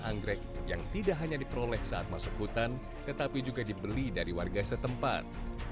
anggrek yang tidak hanya diperoleh saat masuk hutan tetapi juga dibeli dari warga setempat